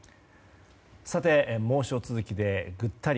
猛暑続きでぐったり。